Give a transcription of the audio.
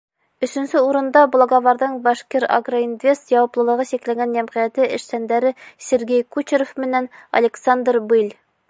Өсөнсө урында — Благоварҙың «Башкирагроинвест» яуаплылығы сикләнгән йәмғиәте эшсәндәре Сергей Кучеров менән Александр Быль.